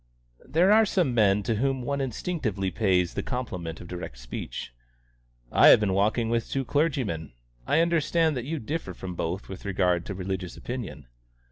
There are some men to whom one instinctively pays the compliment of direct speech. "I have been walking with two clergymen. I understand that you differ from both with regard to religious opinion."